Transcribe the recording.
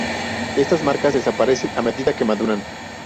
Estas marcas desaparecen a medida que maduran.